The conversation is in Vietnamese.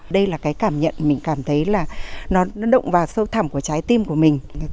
đây là cái cảm nhận mình cảm thấy là nó động vào sâu thẳm của trái tim của mình